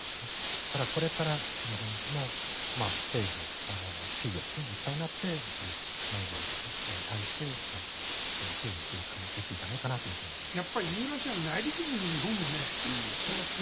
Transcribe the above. ですから、これから日本の政府、企業が一体になってモンゴルに対して支援していくべきじゃないかなと思います。